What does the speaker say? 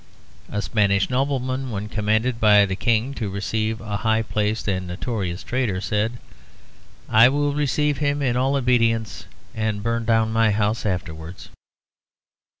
A Spanish nobleman, when commanded by the King to receive a high placed and notorious traitor, said: 'I will receive him in all obedience, and burn down my house afterwards.'